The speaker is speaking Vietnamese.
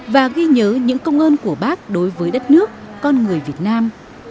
và ghi nhớ những công ơn của bác đối với đất nước con người việt nam